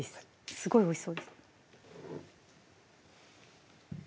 すごいおいしそうです